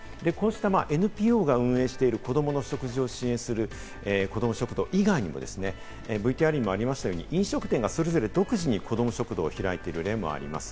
ＮＰＯが運営している子どもの食事を支援する子ども食堂以外にもＶＴＲにありましたように飲食店がそれぞれ独自に子ども食堂を開いている例もあります。